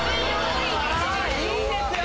いいですよ！